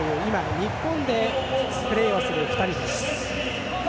日本でプレーする２人です。